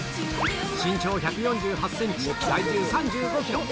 身長１４８センチ、体重３５キロ。